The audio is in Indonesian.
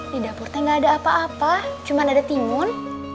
di dapurnya gak ada apa apa cuma ada timun